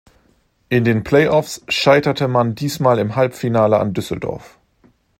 In den Play-offs scheiterte man diesmal im Halbfinale an Düsseldorf.